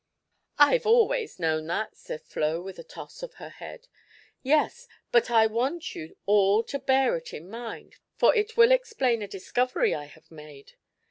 "I've always known that," said Flo, with a toss of her head. "Yes; but I want you all to bear it in mind, for it will explain a discovery I have made.